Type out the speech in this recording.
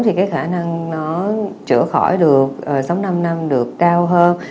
thì cái khả năng nó chữa khỏi được sống năm năm được cao hơn